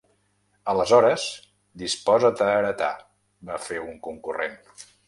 -Aleshores, disposa't a heretar…- va fer un concurrent.